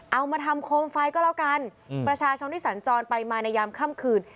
เอามาทำโคมไฟก็แล้วกันประชาชนที่สัญจรไปมาในยามค่ำคืน